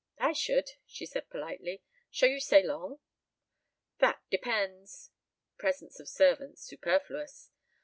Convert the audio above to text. "I should," she said politely. "Shall you stay long?" "That depends." (Presence of servants superfluous!)